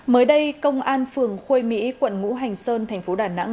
mới đây công an phường khuê mỹ quận ngũ hành sơn thành phố đà nẵng